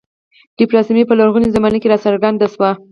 ډیپلوماسي په لرغونې زمانه کې راڅرګنده شوه